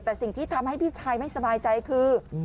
แต่สิ่งที่ทำให้พี่ชายไม่สบายใจคือ